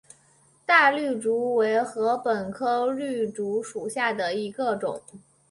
大绿竹为禾本科绿竹属下的一个种。